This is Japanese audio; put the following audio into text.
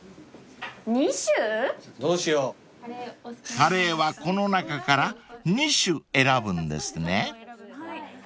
［カレーはこの中から２種選ぶんですね］